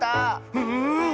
うん！